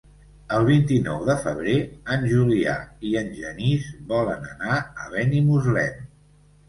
El vint-i-nou de febrer en Julià i en Genís volen anar a Benimuslem.